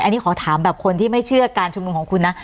อันนี้ขอถามแบบคนที่ไม่เชื่อการชุมนุมของคุณนะ